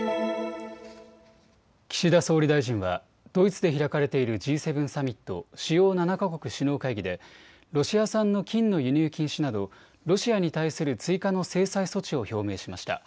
岸田総理大臣はドイツで開かれているＧ７サミット・主要７か国首脳会議でロシア産の金の輸入禁止などロシアに対する追加の制裁措置を表明しました。